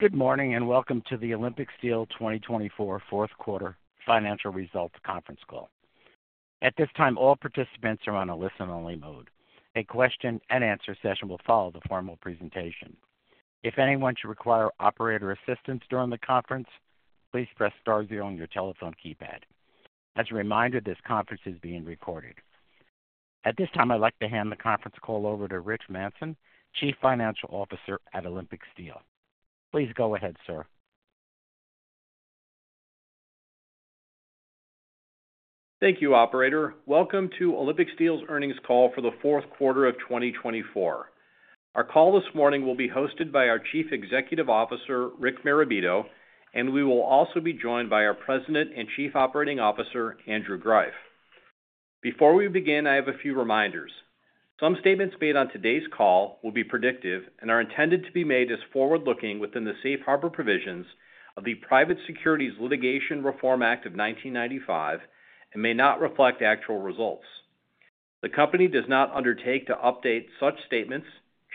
Good morning and welcome to the Olympic Steel 2024 Fourth Quarter Financial Results Conference Call. At this time, all participants are on a listen-only mode. A question-and-answer session will follow the formal presentation. If anyone should require operator assistance during the conference, please press star zero on your telephone keypad. As a reminder, this conference is being recorded. At this time, I'd like to hand the conference call over to Richard Manson, Chief Financial Officer at Olympic Steel. Please go ahead, sir. Thank you, Operator. Welcome to Olympic Steel's earnings call for the fourth quarter of 2024. Our call this morning will be hosted by our Chief Executive Officer, Richard Marabito, and we will also be joined by our President and Chief Operating Officer, Andrew Greiff. Before we begin, I have a few reminders. Some statements made on today's call will be predictive and are intended to be made as forward-looking within the safe harbor provisions of the Private Securities Litigation Reform Act of 1995 and may not reflect actual results. The company does not undertake to update such statements,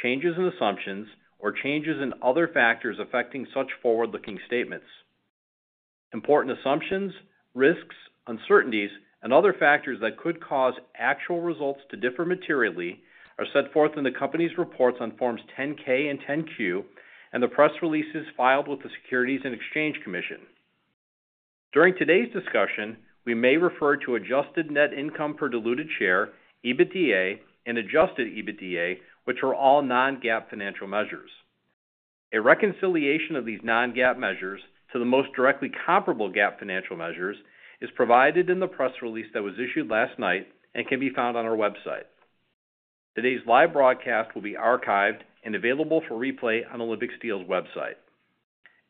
changes in assumptions, or changes in other factors affecting such forward-looking statements. Important assumptions, risks, uncertainties, and other factors that could cause actual results to differ materially are set forth in the company's reports on Forms 10-K and 10-Q and the press releases filed with the Securities and Exchange Commission. During today's discussion, we may refer to adjusted net income per diluted share, EBITDA, and adjusted EBITDA, which are all non-GAAP financial measures. A reconciliation of these non-GAAP measures to the most directly comparable GAAP financial measures is provided in the press release that was issued last night and can be found on our website. Today's live broadcast will be archived and available for replay on Olympic Steel's website.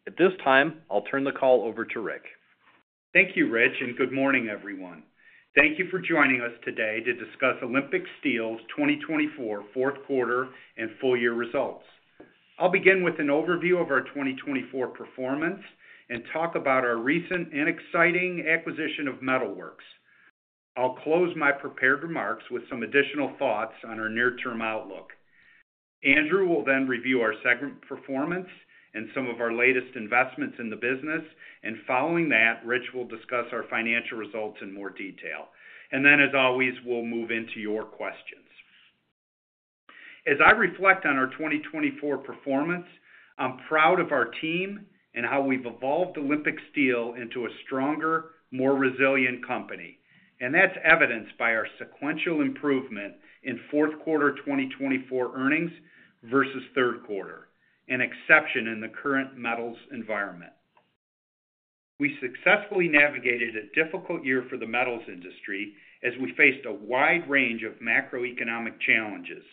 At this time, I'll turn the call over to Rick. Thank you, Rich, and good morning, everyone. Thank you for joining us today to discuss Olympic Steel's 2024 fourth quarter and full year results. I'll begin with an overview of our 2024 performance and talk about our recent and exciting acquisition of Metal Works. I'll close my prepared remarks with some additional thoughts on our near-term outlook. Andrew will then review our segment performance and some of our latest investments in the business, and following that, Rich will discuss our financial results in more detail, and then, as always, we'll move into your questions. As I reflect on our 2024 performance, I'm proud of our team and how we've evolved Olympic Steel into a stronger, more resilient company, and that's evidenced by our sequential improvement in fourth quarter 2024 earnings versus third quarter, an exception in the current metals environment. We successfully navigated a difficult year for the metals industry as we faced a wide range of macroeconomic challenges,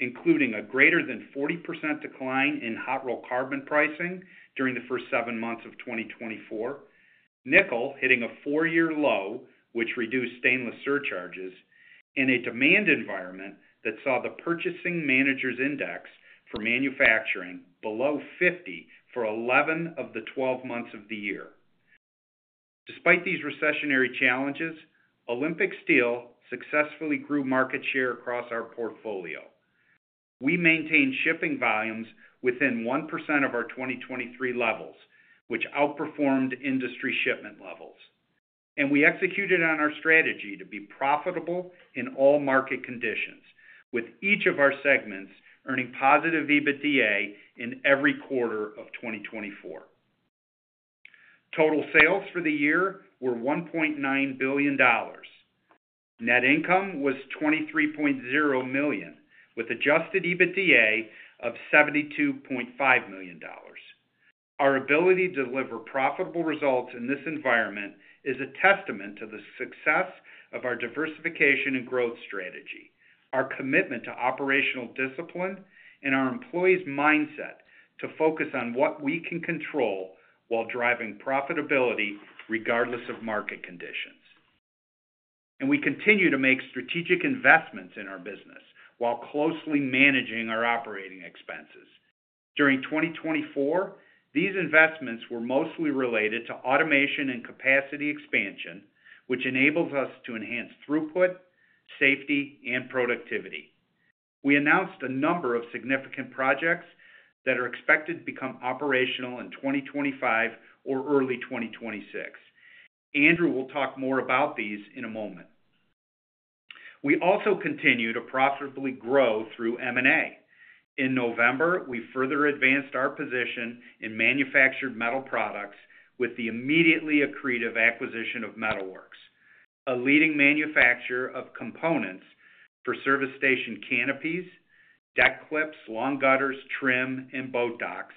including a greater than 40% decline in hot-rolled carbon pricing during the first seven months of 2024, nickel hitting a four-year low, which reduced stainless surcharges, and a demand environment that saw the Purchasing Managers' Index for manufacturing below 50 for 11 of the 12 months of the year. Despite these recessionary challenges, Olympic Steel successfully grew market share across our portfolio. We maintained shipping volumes within 1% of our 2023 levels, which outperformed industry shipment levels. We executed on our strategy to be profitable in all market conditions, with each of our segments earning positive EBITDA in every quarter of 2024. Total sales for the year were $1.9 billion. Net income was $23.0 million, with Adjusted EBITDA of $72.5 million. Our ability to deliver profitable results in this environment is a testament to the success of our diversification and growth strategy, our commitment to operational discipline, and our employees' mindset to focus on what we can control while driving profitability regardless of market conditions. And we continue to make strategic investments in our business while closely managing our operating expenses. During 2024, these investments were mostly related to automation and capacity expansion, which enables us to enhance throughput, safety, and productivity. We announced a number of significant projects that are expected to become operational in 2025 or early 2026. Andrew will talk more about these in a moment. We also continue to profitably grow through M&A. In November, we further advanced our position in manufactured metal products with the immediately accretive acquisition of Metal Works, a leading manufacturer of components for service station canopies, deck clips, long gutters, trim, and boat docks,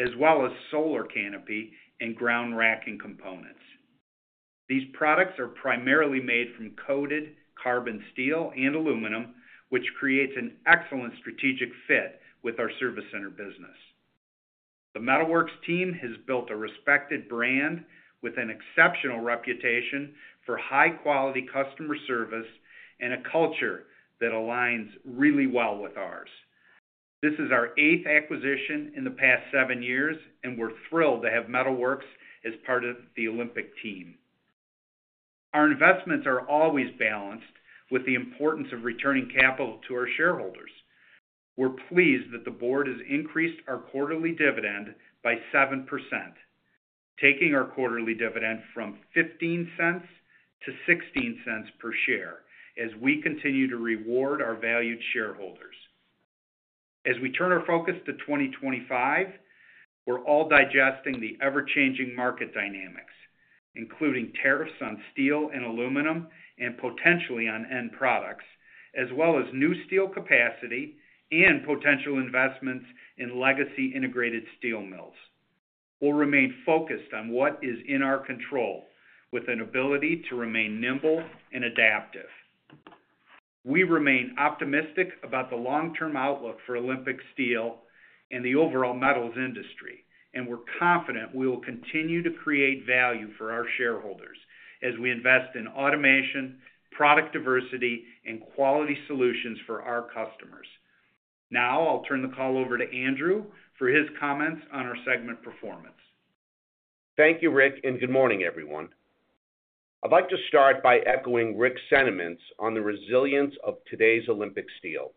as well as solar canopy and ground racking components. These products are primarily made from coated carbon steel and aluminum, which creates an excellent strategic fit with our service center business. The Metal Works team has built a respected brand with an exceptional reputation for high-quality customer service and a culture that aligns really well with ours. This is our eighth acquisition in the past seven years, and we're thrilled to have Metal Works as part of the Olympic team. Our investments are always balanced with the importance of returning capital to our shareholders. We're pleased that the board has increased our quarterly dividend by 7%, taking our quarterly dividend from $0.15 to $0.16 per share as we continue to reward our valued shareholders. As we turn our focus to 2025, we're all digesting the ever-changing market dynamics, including tariffs on steel and aluminum and potentially on end products, as well as new steel capacity and potential investments in legacy integrated steel mills. We'll remain focused on what is in our control with an ability to remain nimble and adaptive. We remain optimistic about the long-term outlook for Olympic Steel and the overall metals industry, and we're confident we will continue to create value for our shareholders as we invest in automation, product diversity, and quality solutions for our customers. Now, I'll turn the call over to Andrew for his comments on our segment performance. Thank you, Rick, and good morning, everyone. I'd like to start by echoing Rick's sentiments on the resilience of today's Olympic Steel.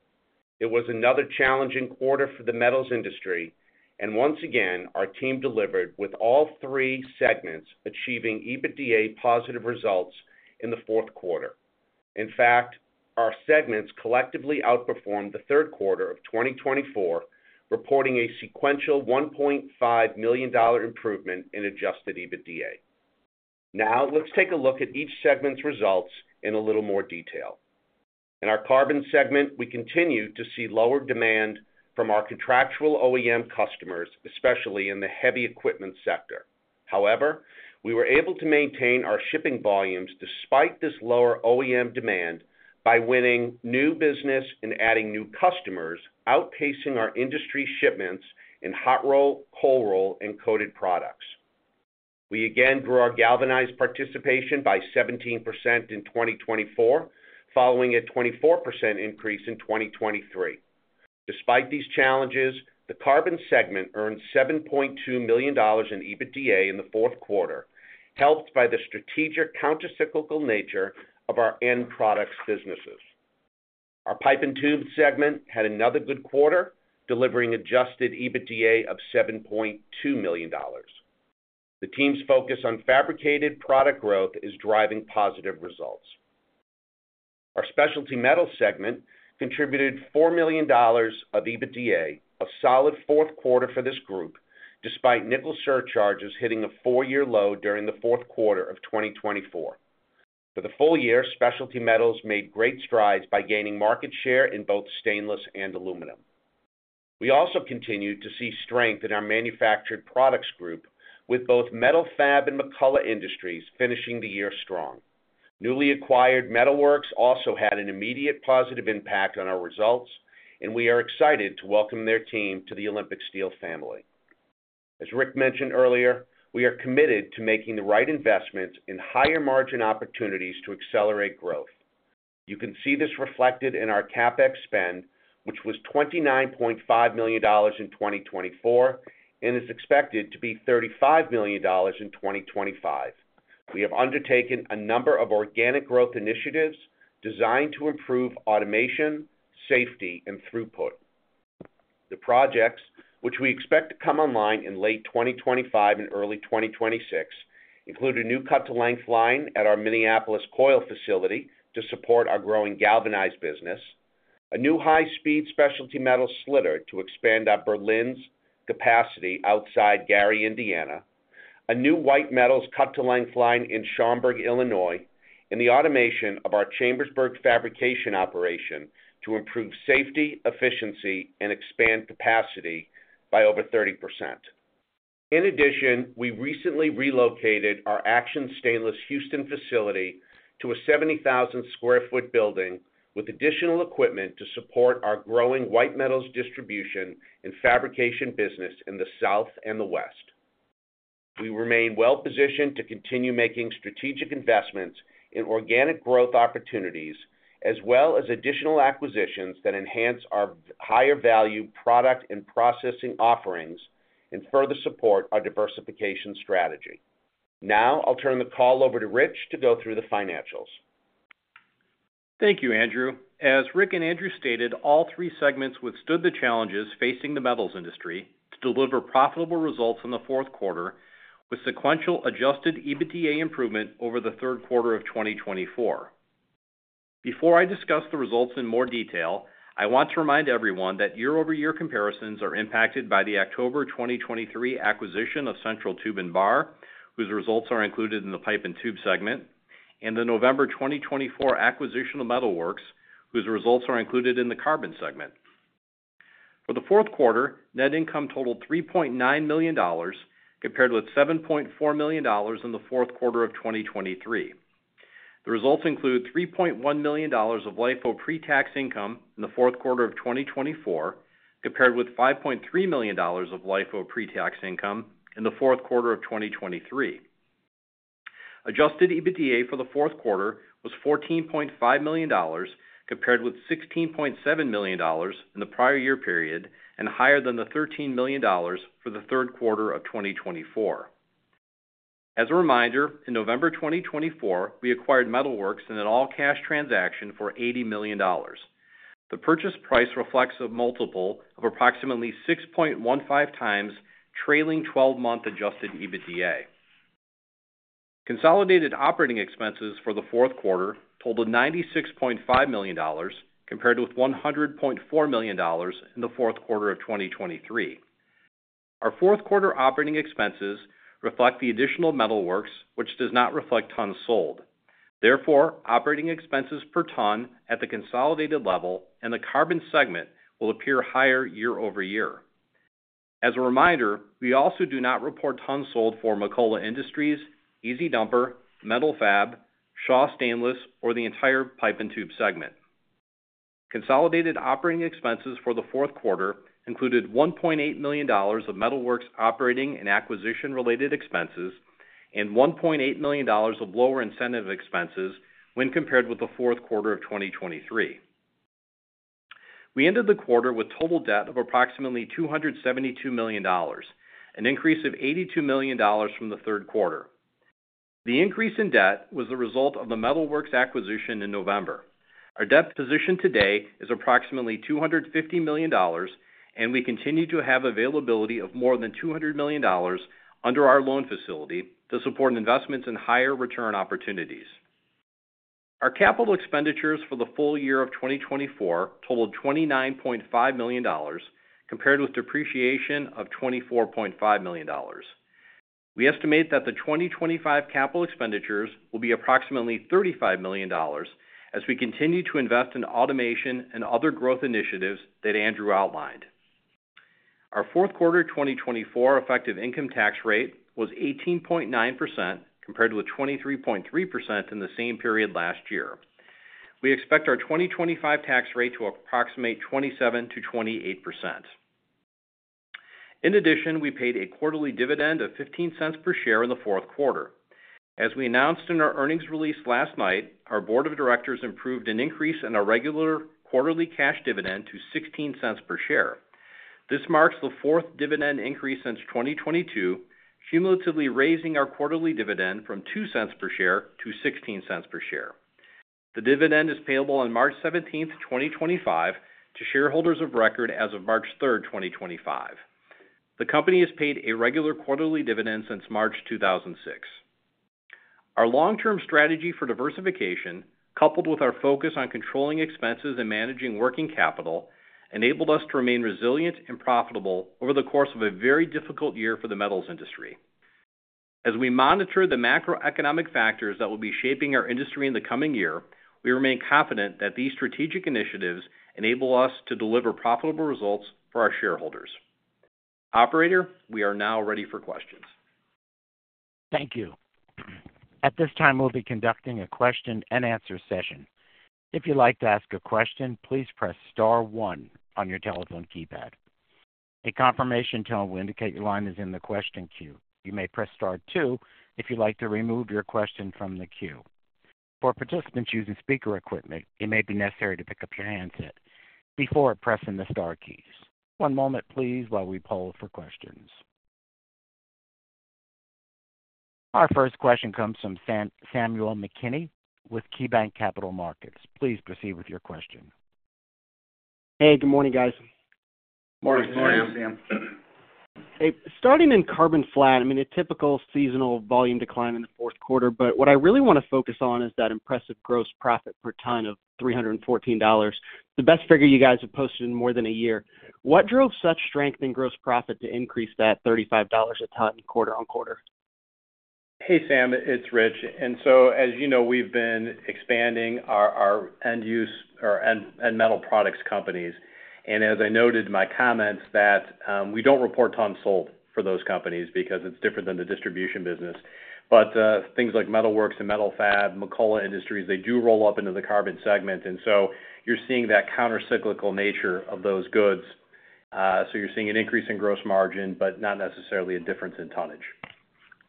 It was another challenging quarter for the metals industry, and once again, our team delivered with all three segments achieving EBITDA-positive results in the fourth quarter. In fact, our segments collectively outperformed the third quarter of 2024, reporting a sequential $1.5 million improvement in adjusted EBITDA. Now, let's take a look at each segment's results in a little more detail. In our carbon segment, we continue to see lower demand from our contractual OEM customers, especially in the heavy equipment sector. However, we were able to maintain our shipping volumes despite this lower OEM demand by winning new business and adding new customers, outpacing our industry shipments in hot roll, cold roll, and coated products. We again grew our galvanized participation by 17% in 2024, following a 24% increase in 2023. Despite these challenges, the carbon segment earned $7.2 million in EBITDA in the fourth quarter, helped by the strategic countercyclical nature of our end products businesses. Our pipe and tube segment had another good quarter, delivering adjusted EBITDA of $7.2 million. The team's focus on fabricated product growth is driving positive results. Our specialty metal segment contributed $4 million of EBITDA, a solid fourth quarter for this group, despite nickel surcharges hitting a four-year low during the fourth quarter of 2024. For the full year, specialty metals made great strides by gaining market share in both stainless and aluminum. We also continue to see strength in our manufactured products group, with both Metal-Fab and McCullough Industries finishing the year strong. Newly acquired Metal Works also had an immediate positive impact on our results, and we are excited to welcome their team to the Olympic Steel family. As Rick mentioned earlier, we are committed to making the right investments in higher margin opportunities to accelerate growth. You can see this reflected in our CapEx spend, which was $29.5 million in 2024 and is expected to be $35 million in 2025. We have undertaken a number of organic growth initiatives designed to improve automation, safety, and throughput. The projects, which we expect to come online in late 2025 and early 2026, include a new cut-to-length line at our Minneapolis coil facility to support our growing galvanized business, a new high-speed specialty metal slitter to expand our Berlin's capacity outside Gary, Indiana, a new white metals cut-to-length line in Schaumburg, Illinois, and the automation of our Chambersburg fabrication operation to improve safety, efficiency, and expand capacity by over 30%. In addition, we recently relocated our Action Stainless Houston facility to a 70,000 sq ft building with additional equipment to support our growing white metals distribution and fabrication business in the south and the west. We remain well-positioned to continue making strategic investments in organic growth opportunities, as well as additional acquisitions that enhance our higher-value product and processing offerings and further support our diversification strategy. Now, I'll turn the call over to Rich to go through the financials. Thank you, Andrew. As Rick and Andrew stated, all three segments withstood the challenges facing the metals industry to deliver profitable results in the fourth quarter with sequential adjusted EBITDA improvement over the third quarter of 2024. Before I discuss the results in more detail, I want to remind everyone that year-over-year comparisons are impacted by the October 2023 acquisition of Central Tube and Bar, whose results are included in the pipe and tube segment, and the November 2024 acquisition of Metal Works, whose results are included in the carbon segment. For the fourth quarter, net income totaled $3.9 million compared with $7.4 million in the fourth quarter of 2023. The results include $3.1 million of LIFO pre-tax income in the fourth quarter of 2024 compared with $5.3 million of LIFO pre-tax income in the fourth quarter of 2023. Adjusted EBITDA for the fourth quarter was $14.5 million compared with $16.7 million in the prior year period and higher than the $13 million for the third quarter of 2024. As a reminder, in November 2024, we acquired Metal Works in an all-cash transaction for $80 million. The purchase price reflects a multiple of approximately 6.15 times trailing 12-month adjusted EBITDA. Consolidated operating expenses for the fourth quarter totaled $96.5 million compared with $100.4 million in the fourth quarter of 2023. Our fourth quarter operating expenses reflect the additional Metal Works, which does not reflect tons sold. Therefore, operating expenses per ton at the consolidated level and the carbon segment will appear higher year-over-year. As a reminder, we also do not report tons sold for McCullough Industries, EZ-Dumper, Metal-Fab, Shaw Stainless, or the entire pipe and tube segment. Consolidated operating expenses for the fourth quarter included $1.8 million of Metal Works operating and acquisition-related expenses and $1.8 million of lower incentive expenses when compared with the fourth quarter of 2023. We ended the quarter with total debt of approximately $272 million, an increase of $82 million from the third quarter. The increase in debt was the result of the Metal Works acquisition in November. Our debt position today is approximately $250 million, and we continue to have availability of more than $200 million under our loan facility to support investments in higher return opportunities. Our capital expenditures for the full year of 2024 totaled $29.5 million compared with depreciation of $24.5 million. We estimate that the 2025 capital expenditures will be approximately $35 million as we continue to invest in automation and other growth initiatives that Andrew outlined. Our fourth quarter 2024 effective income tax rate was 18.9% compared with 23.3% in the same period last year. We expect our 2025 tax rate to approximate 27% to 28%. In addition, we paid a quarterly dividend of $0.15 per share in the fourth quarter. As we announced in our earnings release last night, our board of directors approved an increase in our regular quarterly cash dividend to $0.16 per share. This marks the fourth dividend increase since 2022, cumulatively raising our quarterly dividend from $0.02 per share to $0.16 per share. The dividend is payable on March 17th, 2025, to shareholders of record as of March 3rd, 2025. The company has paid a regular quarterly dividend since March 2006. Our long-term strategy for diversification, coupled with our focus on controlling expenses and managing working capital, enabled us to remain resilient and profitable over the course of a very difficult year for the metals industry. As we monitor the macroeconomic factors that will be shaping our industry in the coming year, we remain confident that these strategic initiatives enable us to deliver profitable results for our shareholders. Operator, we are now ready for questions. Thank you. At this time, we'll be conducting a question-and-answer session. If you'd like to ask a question, please press star one on your telephone keypad. A confirmation tone will indicate your line is in the question queue. You may press star two if you'd like to remove your question from the queue. For participants using speaker equipment, it may be necessary to pick up your handset before pressing the star keys. One moment, please, while we poll for questions. Our first question comes from Samuel McKinney with KeyBanc Capital Markets. Please proceed with your question. Hey, good morning, guys. Morning, Sam. Hey, starting in carbon flat, I mean, a typical seasonal volume decline in the fourth quarter, but what I really want to focus on is that impressive gross profit per ton of $314, the best figure you guys have posted in more than a year. What drove such strength in gross profit to increase that $35 a ton quarter on quarter? Hey, Sam, it's Rich. And so, as you know, we've been expanding our end-use or end-metal products companies. And as I noted in my comments, we don't report tons sold for those companies because it's different than the distribution business. But things like Metal Works and Metal-Fab, McCullough Industries, they do roll up into the carbon segment. And so you're seeing that countercyclical nature of those goods. So you're seeing an increase in gross margin, but not necessarily a difference in tonnage.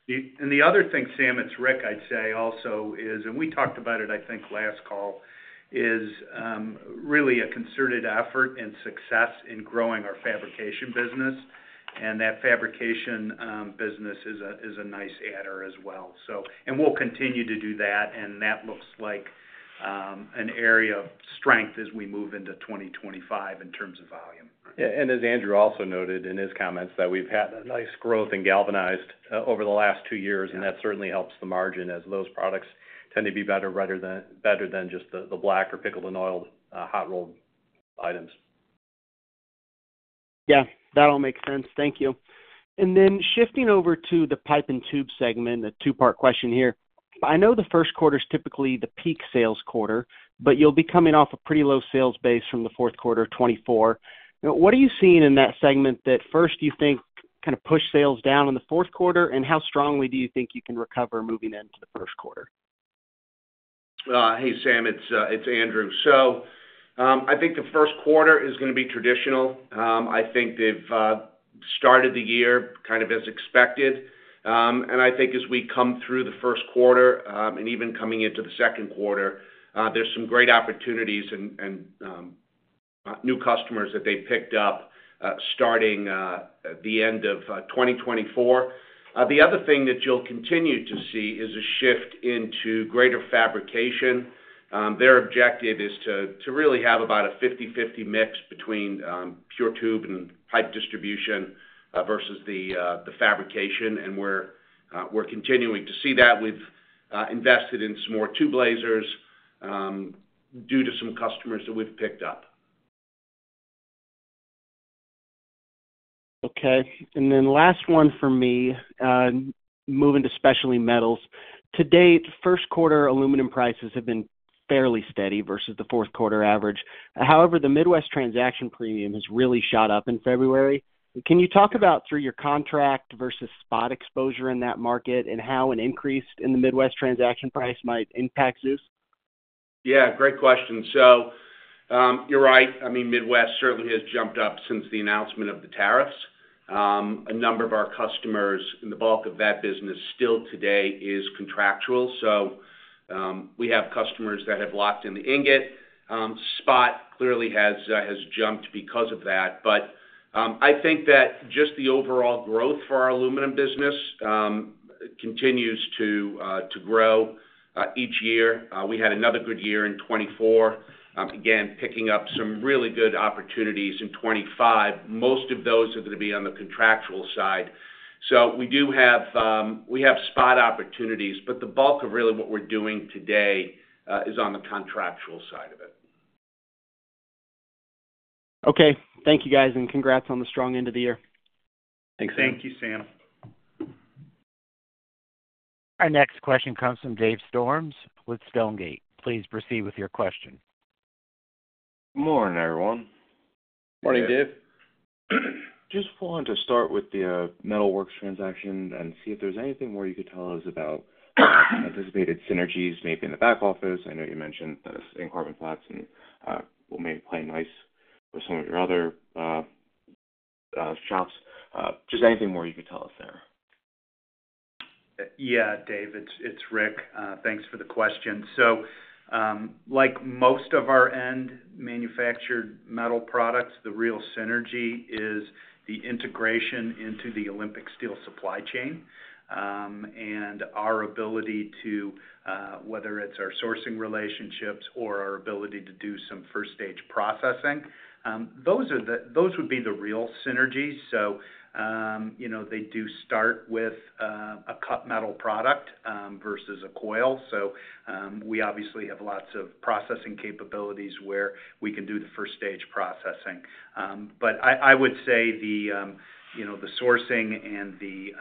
And the other thing, Sam, it's Rick. I'd say also is, and we talked about it, I think, last call, is really a concerted effort and success in growing our fabrication business. And that fabrication business is a nice adder as well. And we'll continue to do that. And that looks like an area of strength as we move into 2025 in terms of volume. Yeah, and as Andrew also noted in his comments that we've had a nice growth in galvanized over the last two years, and that certainly helps the margin as those products tend to be better than just the black or pickled and oiled hot rolled items. Yeah, that all makes sense. Thank you. And then shifting over to the pipe and tube segment, a two-part question here. I know the first quarter is typically the peak sales quarter, but you'll be coming off a pretty low sales base from the fourth quarter of 2024. What are you seeing in that segment that first, you think, kind of push sales down in the fourth quarter? And how strongly do you think you can recover moving into the first quarter? Hey, Sam, it's Andrew. So I think the first quarter is going to be traditional. I think they've started the year kind of as expected. And I think as we come through the first quarter and even coming into the second quarter, there's some great opportunities and new customers that they picked up starting the end of 2024. The other thing that you'll continue to see is a shift into greater fabrication. Their objective is to really have about a 50/50 mix between pure tube and pipe distribution versus the fabrication. And we're continuing to see that. We've invested in some more tube lasers due to some customers that we've picked up. Okay. And then last one for me, moving to specialty metals. To date, first quarter aluminum prices have been fairly steady versus the fourth quarter average. However, the Midwest transaction premium has really shot up in February. Can you talk about, through your contract versus spot exposure in that market, and how an increase in the Midwest transaction price might impact ZEUS? Yeah, great question. So you're right. I mean, Midwest certainly has jumped up since the announcement of the tariffs. A number of our customers in the bulk of that business still today is contractual. So we have customers that have locked in the ingot. Spot clearly has jumped because of that. But I think that just the overall growth for our aluminum business continues to grow each year. We had another good year in 2024, again, picking up some really good opportunities in 2025. Most of those are going to be on the contractual side. So we have spot opportunities, but the bulk of really what we're doing today is on the contractual side of it. Okay. Thank you, guys, and congrats on the strong end of the year. Thanks, Sam. Thank you, Sam. Our next question comes from David Storms with Stonegate. Please proceed with your question. Good morning, everyone. Morning, Dave. Just wanted to start with the Metal Works transaction and see if there's anything more you could tell us about anticipated synergies, maybe in the back office. I know you mentioned that in carbon flats, and it will maybe play nice with some of your other shops. Just anything more you could tell us there. Yeah, Dave, it's Rick. Thanks for the question. So like most of our end-manufactured metal products, the real synergy is the integration into the Olympic Steel supply chain and our ability to, whether it's our sourcing relationships or our ability to do some first-stage processing. Those would be the real synergies. So they do start with a cut metal product versus a coil. So we obviously have lots of processing capabilities where we can do the first-stage processing. But I would say the sourcing and the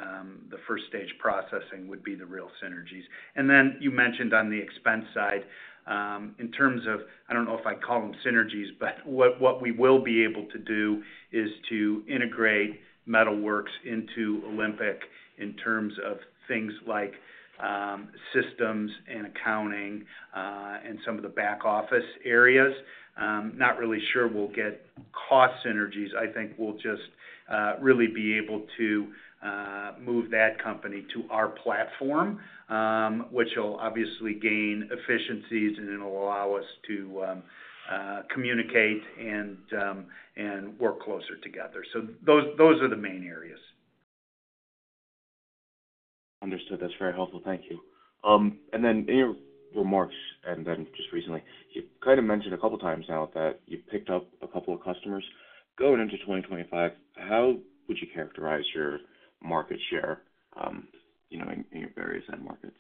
first-stage processing would be the real synergies. And then you mentioned on the expense side, in terms of, I don't know if I'd call them synergies, but what we will be able to do is to integrate Metal Works into Olympic in terms of things like systems and accounting and some of the back office areas. Not really sure we'll get cost synergies. I think we'll just really be able to move that company to our platform, which will obviously gain efficiencies, and it'll allow us to communicate and work closer together. So those are the main areas. Understood. That's very helpful. Thank you. And then in your remarks, and then just recently, you kind of mentioned a couple of times now that you picked up a couple of customers. Going into 2025, how would you characterize your market share in your various end markets?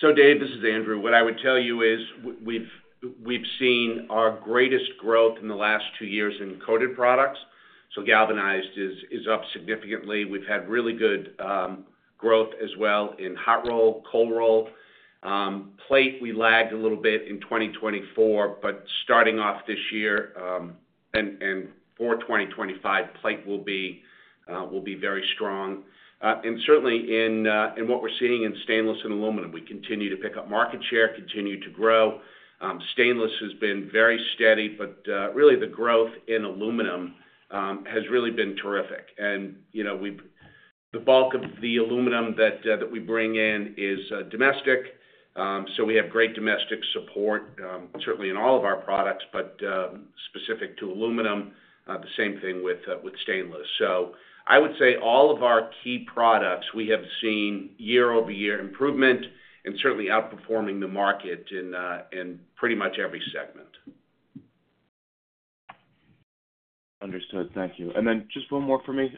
So, Dave, this is Andrew. What I would tell you is we've seen our greatest growth in the last two years in coated products, so galvanized is up significantly. We've had really good growth as well in hot roll, cold roll. Plate, we lagged a little bit in 2024, but starting off this year and for 2025, plate will be very strong, and certainly, in what we're seeing in stainless and aluminum, we continue to pick up market share, continue to grow. Stainless has been very steady, but really the growth in aluminum has really been terrific, and the bulk of the aluminum that we bring in is domestic, so we have great domestic support, certainly in all of our products, but specific to aluminum, the same thing with stainless. So I would say all of our key products, we have seen year-over-year improvement and certainly outperforming the market in pretty much every segment. Understood. Thank you. And then just one more for me.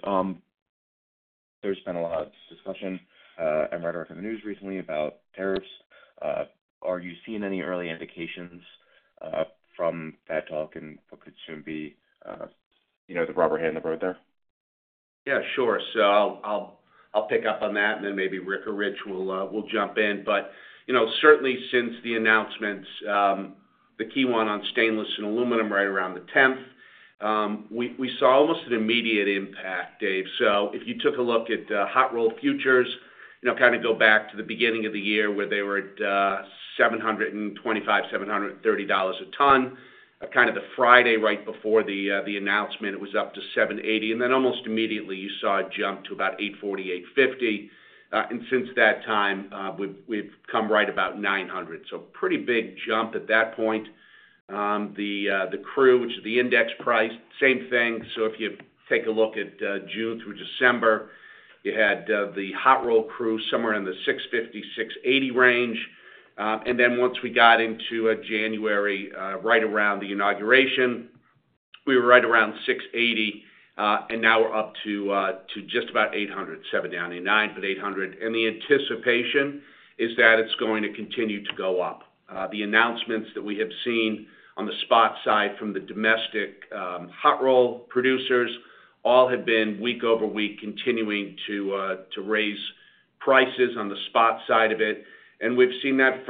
There's been a lot of discussion in the news recently about tariffs. Are you seeing any early indications from that talk and what could soon be the rubber hits the road right there? Yeah, sure. So I'll pick up on that, and then maybe Rick or Rich will jump in. But certainly, since the announcements, the key one on stainless and aluminum right around the 10th, we saw almost an immediate impact, Dave. So if you took a look at hot rolled futures, kind of go back to the beginning of the year where they were at $725 to $730 a ton. Kind of the Friday right before the announcement, it was up to $780. And then almost immediately, you saw a jump to about $840 to $850. And since that time, we've come right about $900. So pretty big jump at that point. The CRU, which is the index price, same thing. So if you take a look at June through December, you had the hot rolled CRU somewhere in the $650-$680 range. And then once we got into January, right around the inauguration, we were right around $680, and now we're up to just about $800, $799, but $800. And the anticipation is that it's going to continue to go up. The announcements that we have seen on the spot side from the domestic hot roll producers all have been week over week continuing to raise prices on the spot side of it. And we've seen that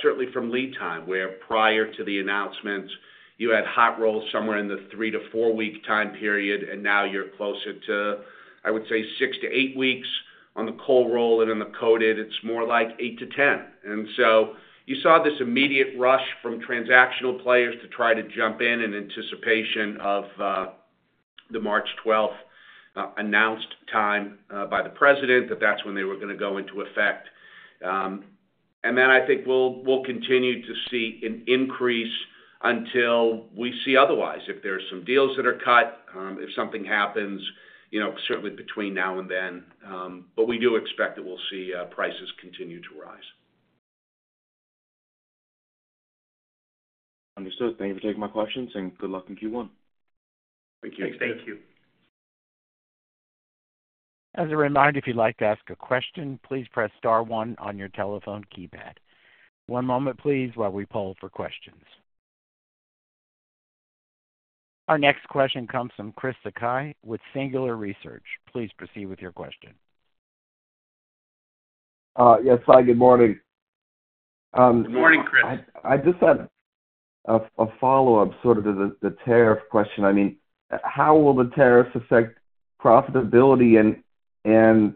certainly from lead time, where prior to the announcements, you had hot rolls somewhere in the three- to four-week time period, and now you're closer to, I would say, six to eight weeks on the cold roll. And on the coated, it's more like eight to 10 weeks. And so you saw this immediate rush from transactional players to try to jump in anticipation of the March 12th announced time by the president, that that's when they were going to go into effect. And then I think we'll continue to see an increase until we see otherwise. If there are some deals that are cut, if something happens, certainly between now and then. But we do expect that we'll see prices continue to rise. Understood. Thank you for taking my questions, and good luck in Q1. Thank you. Thank you. As a reminder, if you'd like to ask a question, please press star one on your telephone keypad. One moment, please, while we poll for questions. Our next question comes from Chris Sakai with Singular Research. Please proceed with your question. Yes, hi, good morning. Good morning, Chris. I just have a follow-up sort of to the tariff question. I mean, how will the tariffs affect profitability, and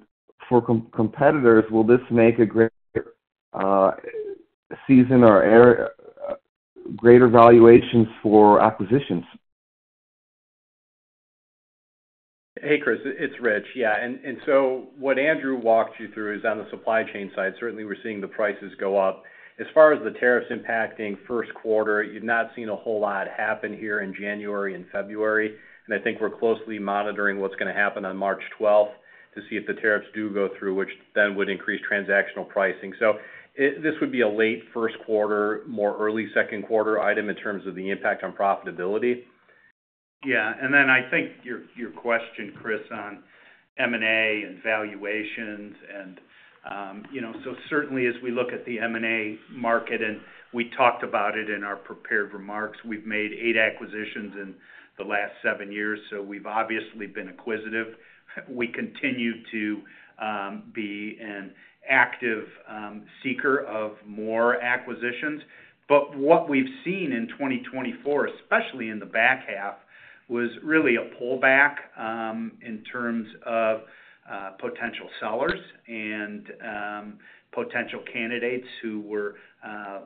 for competitors, will this make a greater season or greater valuations for acquisitions? Hey, Chris, it's Rich. Yeah. And so what Andrew walked you through is on the supply chain side, certainly we're seeing the prices go up. As far as the tariffs impacting first quarter, you've not seen a whole lot happen here in January and February. And I think we're closely monitoring what's going to happen on March 12th to see if the tariffs do go through, which then would increase transactional pricing. So this would be a late first quarter, more early second quarter item in terms of the impact on profitability. Yeah, and then I think your question, Chris, on M&A and valuations, and so certainly, as we look at the M&A market, and we talked about it in our prepared remarks, we've made eight acquisitions in the last seven years. So we've obviously been acquisitive. We continue to be an active seeker of more acquisitions, but what we've seen in 2024, especially in the back half, was really a pullback in terms of potential sellers and potential candidates who were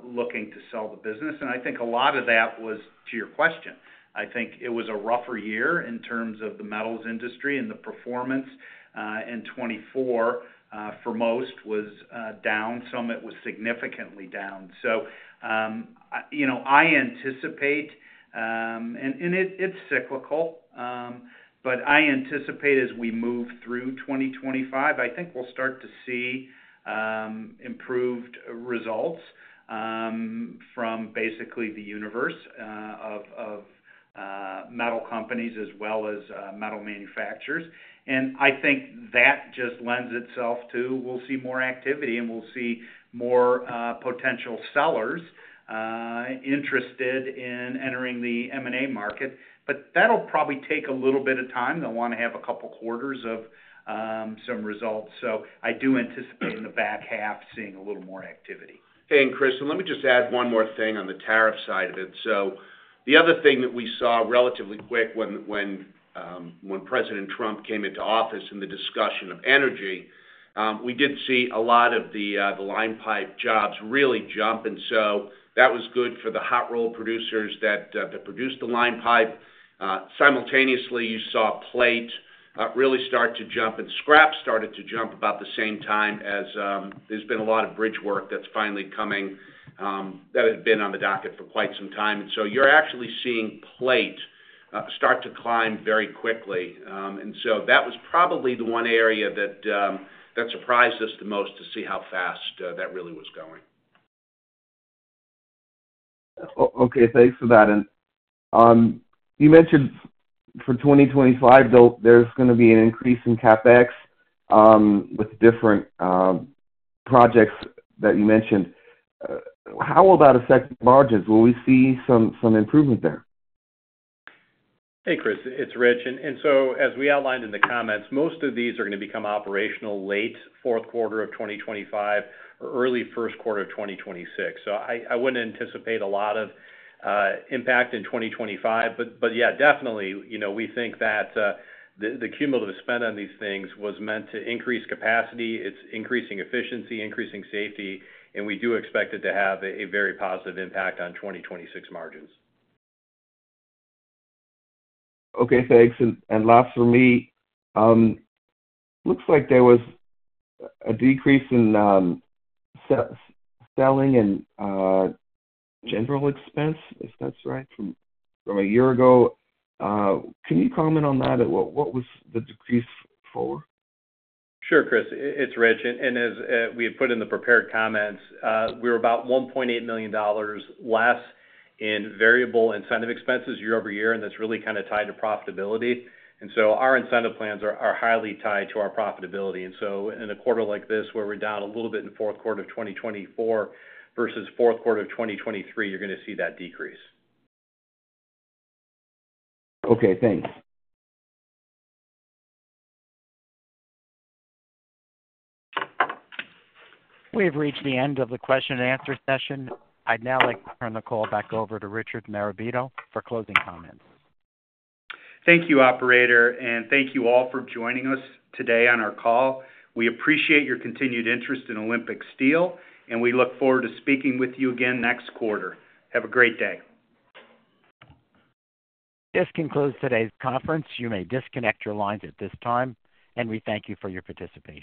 looking to sell the business, and I think a lot of that was to your question. I think it was a rougher year in terms of the metals industry and the performance. In 2024, for most, was down. Some of it was significantly down. So I anticipate, and it's cyclical, but I anticipate as we move through 2025, I think we'll start to see improved results from basically the universe of metal companies as well as metal manufacturers. And I think that just lends itself to we'll see more activity, and we'll see more potential sellers interested in entering the M&A market. But that'll probably take a little bit of time. They'll want to have a couple of quarters of some results. So I do anticipate in the back half seeing a little more activity. Chris, let me just add one more thing on the tariff side of it. The other thing that we saw relatively quick when President Trump came into office and the discussion of energy, we did see a lot of the line pipe jobs really jump. That was good for the hot roll producers that produced the line pipe. Simultaneously, you saw plate really start to jump, and scraps started to jump about the same time as there's been a lot of bridge work that's finally coming that had been on the docket for quite some time. You're actually seeing plate start to climb very quickly. That was probably the one area that surprised us the most to see how fast that really was going. Okay. Thanks for that, and you mentioned for 2025, there's going to be an increase in CapEx with different projects that you mentioned. How about affecting margins? Will we see some improvement there? Hey, Chris, it's Rich, and so as we outlined in the comments, most of these are going to become operational late fourth quarter of 2025 or early first quarter of 2026, so I wouldn't anticipate a lot of impact in 2025, but yeah, definitely, we think that the cumulative spend on these things was meant to increase capacity, it's increasing efficiency, increasing safety, and we do expect it to have a very positive impact on 2026 margins. Okay. Thanks. And last for me, looks like there was a decrease in selling and general expense, if that's right, from a year ago. Can you comment on that? What was the decrease for? Sure, Chris. It's Rich. And as we had put in the prepared comments, we were about $1.8 million less in variable incentive expenses year over year, and that's really kind of tied to profitability. And so our incentive plans are highly tied to our profitability. And so in a quarter like this, where we're down a little bit in fourth quarter of 2024 versus fourth quarter of 2023, you're going to see that decrease. Okay. Thanks. We have reached the end of the question and answer session. I'd now like to turn the call back over to Richard Marabito for closing comments. Thank you, Operator. And thank you all for joining us today on our call. We appreciate your continued interest in Olympic Steel, and we look forward to speaking with you again next quarter. Have a great day. This concludes today's conference. You may disconnect your lines at this time, and we thank you for your participation.